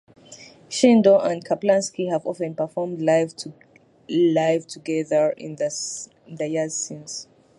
Shindell and Kaplansky have often performed live together in the years since.